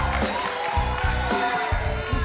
boleh silahkan kembali ke stage